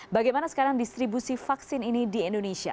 bagaimana sekarang distribusi vaksin ini di indonesia